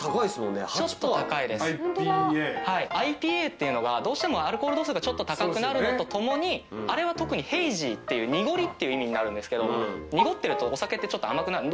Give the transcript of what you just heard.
ＩＰＡっていうのがどうしてもアルコール度数がちょっと高くなるのとともにあれは特にヘイジーっていう「濁り」っていう意味になるんですけど濁ってるとお酒ってちょっと甘くなる。